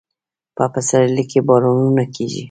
په پسرلي کې بارانونه کیږي